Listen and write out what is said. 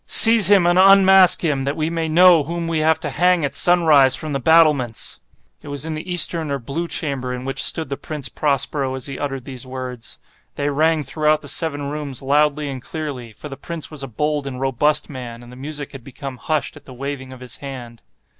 Seize him and unmask him—that we may know whom we have to hang at sunrise, from the battlements!" It was in the eastern or blue chamber in which stood the Prince Prospero as he uttered these words. They rang throughout the seven rooms loudly and clearly—for the prince was a bold and robust man, and the music had become hushed at the waving of his hand.